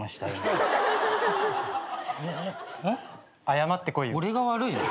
謝ってこいよ。